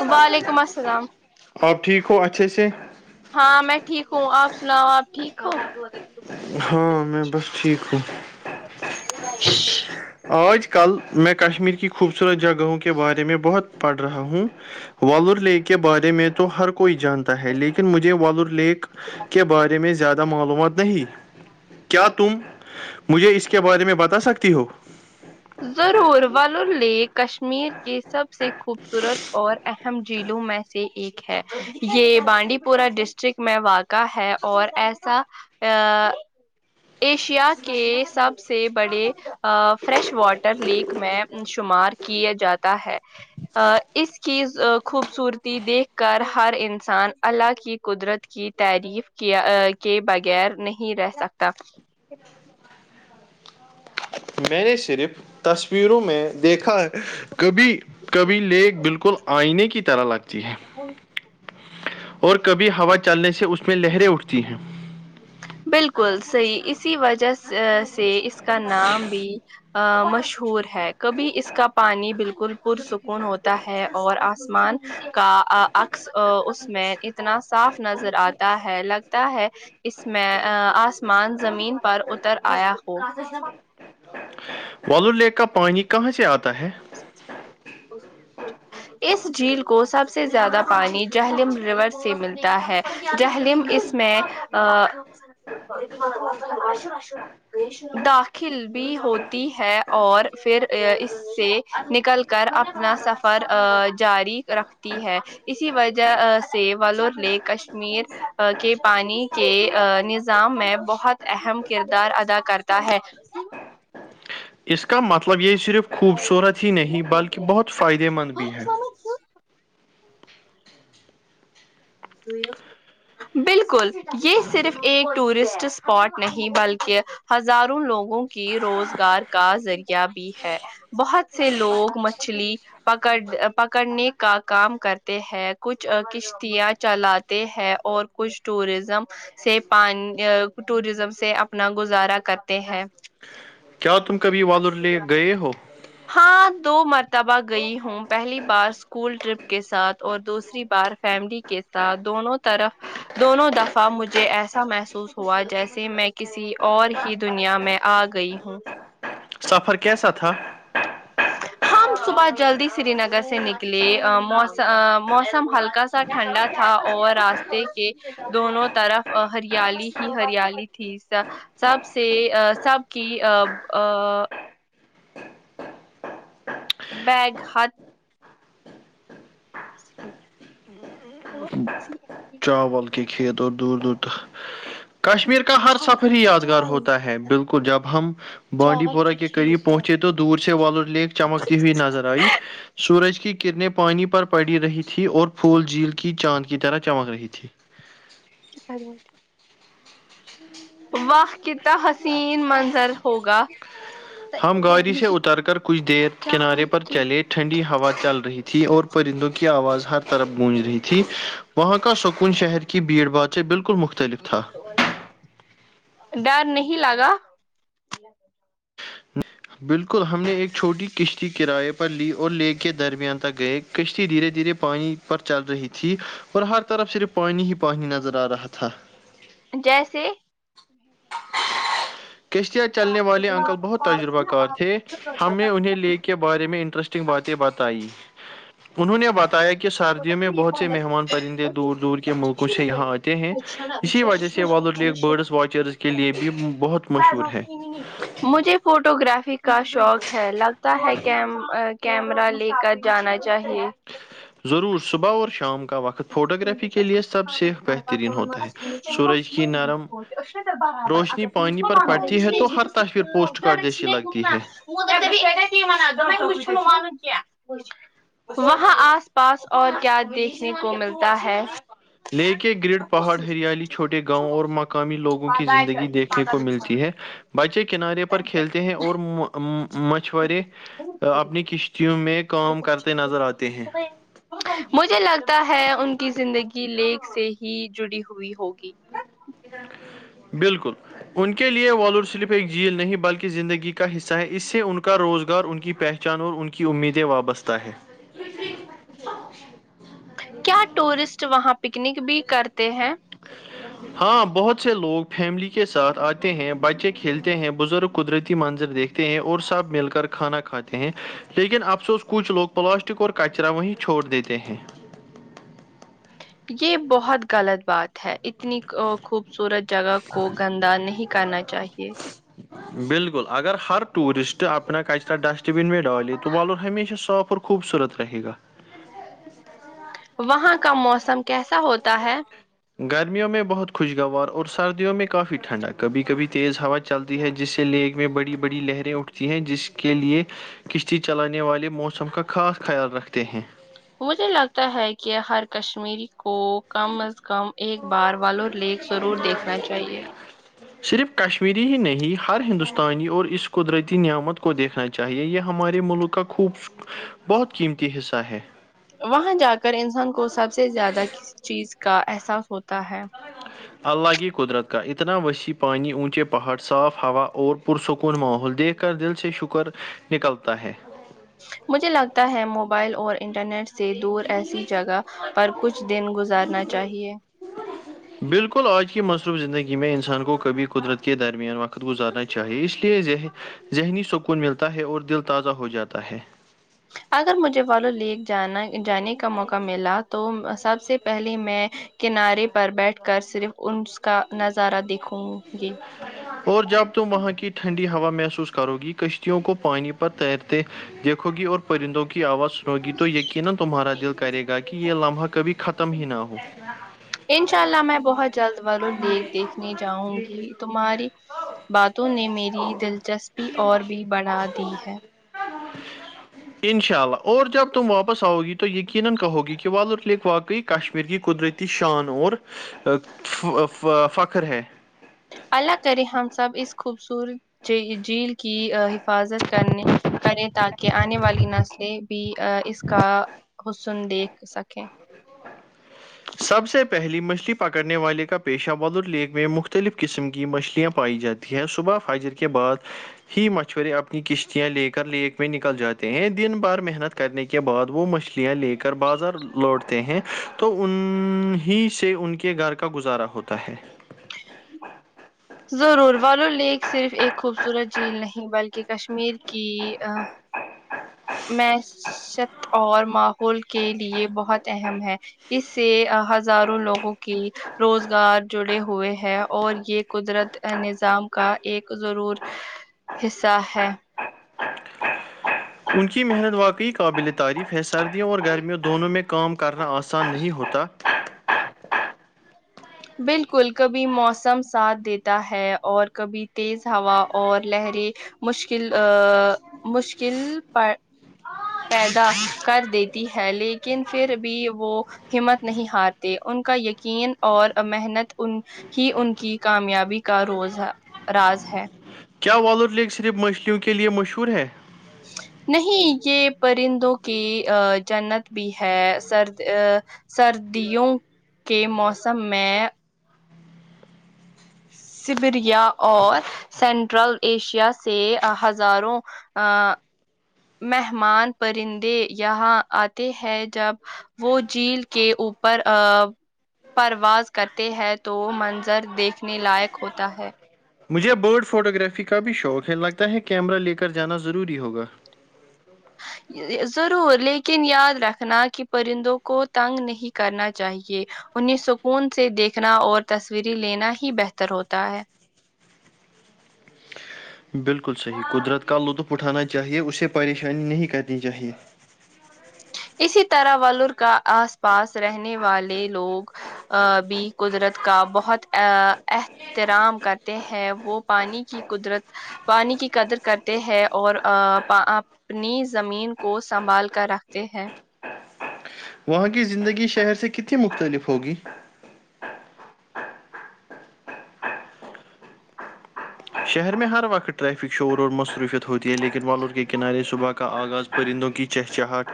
وعلیکم السلام آپ ٹھیک ہو اچھے سے ہاں میں ٹھیک ہوں آپ سناؤ آپ ٹھیک ہو ہاں میں بس ٹھیک ہوں آج کل میں کشمیر کی خوبصورت جگہوں کے بارے میں بہت پڑھ رہا ہوں والر لییک کے بارے میں تو ہر کوئی جانتا ہے لیکن مجھے والور لییک کے بارے میں زیادہ معلومات نہیں کیا تم مجھے اس کے بارے میں بتا سکتی ہو ضرور وال لیک کشمیر کے سب سے خوبصورت اور اہم جلوں میں سے ایک ہے یہ بانڈی پورہ ڈسٹرکٹ میں واقع کا ہے اور ایسا ا ایشیا کے سب س سے بڑے فریش واٹر لیک میں شمار کیا جاتا ہے اس کی خوبصورتی دیکھ کر ہر انسان اللہ کی قدرت کی تعریف کیا کے بغیر نہیں رہ سکتا میں نے صرف تصویروں میں دیکھا ہے کبھی کبھی لگ بالکل آئینے کی طرح لگتی ہے اور کبھی ہوا چلنے سے اس میں لہریں اٹھتی ہیں بالکل صحیح اسی وجہ سے اس کا نام بھی مشہور ہے کبھی اس کا پانی بالکل پرسکون ہوتا ہے اور آسمان کا عکس اس میں اتنا صاف نظر آتا ہے لگتا ہے اس میں آسمان زمین پر اتر آیا ہو والو لییک کا پانی کہاں سے آتا ہے اس جھیل کو سب سے زیادہ پانی جہللم ریور سے ملتا ہے جہللم اس میں داخل بھی ہوتی ہے اور پھر اس سے نکل کر اپنا سفر جاری رکھتی ہے اسی وجہ سے ولور نے کشمیر کے پانی کے ام میں بہت اہم کردار ادا کرتا ہے اس کا مطلب یہ صرف خوبصورت ہی نہیں بلکہ بہت فائدے مند بھی ہے [inaudible] بالکل یہ صرف ایک ٹورسٹ اسپاٹ نہیں بلکہ ہزاروں لوگوں کی روزگار کا ذریعہ بھی ہے بہت سے لوگ مچھلی پکڑ پکڑنے کا کام کرتے ہیں کچھ کشتیا چلاتے ہیں اور کچھ ٹوریزم سے پانی ٹوریزم سے اپنا گزارا کرتے ہیں کیا تم کبھی والر لے گئے ہو ہاں دو مرتبہ گئی ہوں پہلی بار اسکول ٹرپ کے ساتھ اور دوسری بار فیملی کے ساتھ دونوں طرف دونوں دفعہ مجھے ایسا محسوس ہوا جیسے میں کسی اور ہی دنیا میں آ گئی ہوں سفر کیسا تھا ہم صبح جلدی سری نگر سے نکلے موسم موسم ہلکا اٹھنڈا تھا اور راستے کے دونوں طرف ہریالی ہی ہریالی تھی سب سے سب کی بیگ ہات تو چاول کے کھیت اور دور دور تک کشمیر کا ہر سفر ہی یادگار ہوتا ہے بالکل جب ہم بانڈی پورہ کے قریب پہنچے تو دور سے ولور لیک چمکتی ہوئی نظر آئی سورج کی کرنیں پانی پر پڑی رہی تھی اور پھول جھیل کی چاند کی طرح چمک رہی تھی کات بولتی ہے وق کتنا حسین منظر ہوگا ہم گاڑی سے اتر کر کچھ دیر کنارے پر چلے ٹھنڈی ہوا چل رہی تھی اور پرندوں کی کی آواز ہر طرف گونج رہی تھی وہاں کا سکون شہر کی بھیڑ بھڑ سے بالکل مختلف تھا ڈر نہیں لگا [inaudible] بالکل ہم نے ایک چھوٹی کش کی کرای پر لی اور کے درمیان تک گئے کشتی دھیرے دھیرے پانی پر چل رہی تھی اور ہر طرف صرف پانی ہی پانی نظر آ رہا تھا جیسے تھینو کشتیاں چلنے والے انکل بہت تجربہ کار تھے ہم نے انہیں لے کے کے بارے میں انٹرسٹنگ باتیں بتائیں انہوں نے بتایا کہ سردیوں میں بہت سے مہمان پرندے دور دور کے ملکوں سے یہاں آتے ہیں اسی وجہ سے والو لییک برڈز واچرز کے لیے بھی بہت مش مجھے فوٹو گرافی کا شوق ہے لگتا ہے کہ کیمرہ لے کر جانا چاہیے ضرور صبح اور شام کا وقت فوٹوگررافی کے لئے سب سے بہترین ہوتا ہے سورج کی نرم برابر روشنی اگر پانی پر پڑتی ہے تو نہیں ہر تصویر پوسٹ کارڈ جیسی لگتی ہے ان وہاں آس پاس اور کیا دیکھنے کو ملتا ہے لے کے گرڈ پہاڑ ہریالی چھوٹے گاؤں اور مقامی لوگوں کی زندگی دیکھنے کو ملتی ہے بچے کنارے پر کھیلتے ہیں اور مشورے اپنی کش کیوں میں کام کرتے نظر آتے ہیں مجھے لگتا ہے ان کی زندگی لیک سے ہی جڑی ہوئی ہوگی بالکل ان کے لئے والور صرف ایک جھیل نہیں بلکہ زندگی کا حصہ ہے اس سے ان کا روزگار ان کی پہچان چانور ان کی امیدیں وابستہ ہے کیا ٹورسٹ وہاں پکنک بھی کرتے ہیں ہاں بہت سے لوگ فیملی کے ساتھ آتے ہیں بچے کے کھیلتے ہیں بزرگ قدرتی منظر دیکھتے ہیں اور سب مل کر کھانا کھاتے ہیں لیکن افسوس کچھ لوگ پلاسٹک اور کچرا وہیں چھوڑ دیتے ہیں یہ بہت غلط بات ہے اتنی خوب سورج جگہ کو گندا نہیں کرنا چاہیے بالکل اگر ہر ٹورسٹ اپنا کچ تر ڈسٹ تو بن میں ڈالے تو والر ہمیشہ صاف اور خوبصورت رہے گا وہاں کا موسم کیسا ہوتا ہے گرمیوں میں بہت خوشگوار اور سردیوں میں کافی ٹھنڈا کبھی کبھی تیز ہوا چلتی ہے جس سے لیگ میں بڑی بڑی لہریں اٹھتی ہیں جس کے لیے کشتی چلانے والے موسم کا خاص خیال رکھتے ہیں مجھے لگتا ہے کہ ہر کشمیری کو کم از کم ایک بار والور لیک ضرور دیکھنا چاہیے صرف کشمیری ہی نہیں ہر ہندوستانی اور اس قدرتی نعمت کو دیکھنا چاہیے یہ ہمارے ملک کا خوب بہت قیمتی حصہ ہے وہاں جا کر انسان کو سب سے زیادہ کسی چیز کا احساس ہوتا ہے اللہ کی قدرت کا اتنا وسیع پانی اونچے پہاڑ صاف ہوا اور پرسکون ماحول دیکھ کر دل سے شکر نکلتا ہے مجھے لگتا ہے موبائل اور انٹرنیٹ سے دور ایسی جگہ پر کچھ دن گزارنا چاہیے [inaudible] بالکل آج کی مصروف زندگی میں انسان کو کبھی قدرت کے درمیان وقت گزارنا چاہیے اس لیے ذہنی سکون ملتا ہے اور دل تازہ ہو جاتا ہے اگر مجھے والو لییک جانا جانے کا موقع ملا تو سب سے پہلے میں کنارے پر بیٹھ کر صرف ان کا نظارہ دیکھوں گی اور جب تم وہاں کی ٹھنڈی ہوا محسوس کرو گی کشتیوں کو پانی پر تیرتے دیکھو گی اور پرندوں کی آواز ہووگی تو یقین نا تمہارا دل کرے گا کہ یہ لمحہ کبھی ختم ہی نہ ہو انشاء اللہ میں بہت جلد وں دیکھ دیکھنے جاؤں گی تمہاری باتوں نے میری دلچسپی اور بھی بڑھا دی ہے ہ وال ال لق واقعی کشمیر کی قدرتی شان اور فخر ہے اللہ کرے ہم سب اس خوبصورت جھیل کی حفاظت کرنے کریں تاکہ آنے والی نسلیں بھی اس کا حسن دیکھ سکیں سب سے پہلی مچھلی پکڑنے والے کا پیشہ ودر لیک میں مختلف قسم کی مچھلیاں پائی جاتی ہے صبح فاجر کے بعد ہی مشورے اپنی کشتیاں لے کر لیک میں نکل جاتے ہیں دن بار محنت کر کرنے کے بعد وہ مچھلیاں لے کر بازار لوٹتے ہیں تو ان ہی سے ان کے گھر کا گزارا ہوتا ہے ضرور والو لییک صرف ایک خوبصورت جھیل نہیں بلکہ کشمیر کی معیشت اور ماحول کے لیے بہت اہم ہے اس سے ہزاروں لوگوں کی روزگار جڑے ہوئے ہے اور یہ قدرت نظام کا ایک ضرور حصہ ہے ان کی محنت واقعی قابل تعریف ہے سردیوں اور گرمیوں دونوں میں کام کرنا آسان نہیں ہوتا بالکل کبھی موسم ساتھ دیتا ہے اور کبھی تیز ہوا اور لہریں مشکل ا مشکل پ پیدا کر دیتی ہے لیکن پھر بھی وہ ہمت نہیں ہارتے ان کا یقین اور محنت ان ہی ان کی کامیابی کا روز راز ہے کیا والور لیگ صرف مچھلیوں کے لیے مشہور ہے ہ نہیں یہ پرندوں کی ا جنت بھی ہے سرد سردیوں کے موسم میں سبریا اور سینٹرل ایشیا سے ہزاروں آ مہمان پرندے یہاں آتے ہیں جب وہ جھیل کے اوپر ا پرواز کرتے ہیں تو وہ منظر دیکھنے لائق ہوتا ہے مجھے برڈ فوٹوگرافی کا بھی شوق ہے لگتا ہے کیمرہ لے کر جانا ضروری ہوگا ضرور لیکن یاد رکھنا کہ پرندوں کو تنگ نہیں کرنا چاہیے انہیں سکون سے دیکھنا اور تصورییں لینا ہی بہتر ہوتا ہے بالکل صحیح قدرت کا لطف اٹھانا چاہیے اسے پریشانی نہیں کرنی چاہیے اسی طرح ولور کا آس پاس رہنے والے لوگ ا بھی قدرت کا بہت ا ا احترام کرتے ہیں وہ پانی کی قدرت پانی کی قدر کرتے ہیں اور اپنی زمین کو سنبھال کر رکھتے ہیں وہاں کی زندگی شہر سے کتنی مختلف ہوگی [inaudible] شہر میں ہر وقت ٹریفک شور اور مصروفیت ہوتی ہے لیکن والور کے کنارے صبح آغاز پرندوں کی چہچاہٹ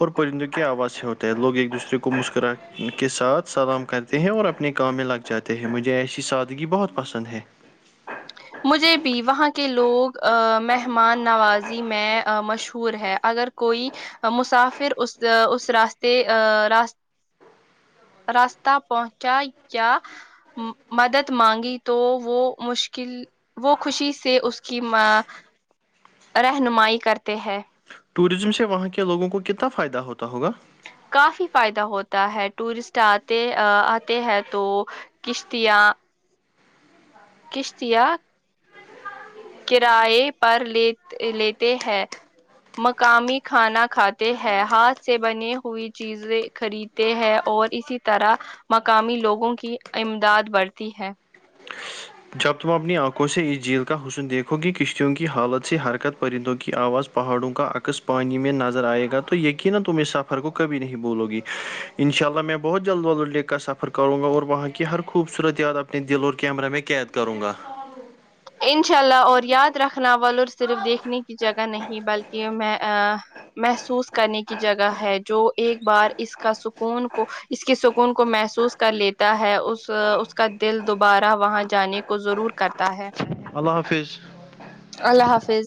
اور پرندوں کی آواز سے ہوتے ہیں لوگ ایک دوسرے کو کو مسکرا کے ساتھ سلام کرتے ہیں اور اپنے کام میں لگ جاتے ہیں مجھے ایسی سادگی بہت پسند ہے مجھے بھی وہاں کے لوگ مہمان نوازی میں مشہور ہے اگر کوئی مسافر اس اس راستے ا راست راستہ پہنچا یا مدد مانگی تو وہ مشکل وہ خوشی سے اس کی رہنمائی کرتے ہیں ٹوریزم سے وہاں کے لوگوں کو کتنا فائدہ ہوتا ہوگا کافی فائدہ ہوتا ہے ٹورسٹ آتے آتے ہیں تو کشتییاں کشتییا کراائے پر لی لیتے ہیں مقامی کھانا کھاتے ہیں ہاتھ سے بنی ہوئی چیزیں خریدتے ہیں اور اسی طرح مقامی لوگوں کی امداد بڑھتی ہے جب تم اپنی آنکھوں سے اس جھیل کا حسن دیکھو کہ کشتیوں کی حالت سے حرکت پرندوں کی آواز پہاڑوں کا عکس پانی میں نظر آئے گا تو یقینا تم اس سفر کو کبھی نہیں بھولو گی ان شاء اللہ میں بہت جلد والڈے کا سفر کروں گا اور وہاں کی ہر خوبصورتیاد اپنے دل اور کیمرہ میں قید کروں گا انشاء اللہ اور یاد رکھنا والولور صرف دیکھنے کی جگہ نہیں بلکہ میں محسوس کرنے کی جگہ ہے جو ایک بار اس کا سکون کو اس کی سکون کو محسوس کر لیتا ہے اس اس کا دل دوبارہ وہاں جانے کو ضرور کرتا ہے اللہ حافظ اللہ حافظ